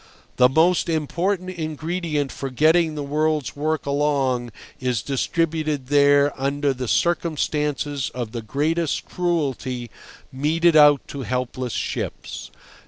The most important ingredient for getting the world's work along is distributed there under the circumstances of the greatest cruelty meted out to helpless ships.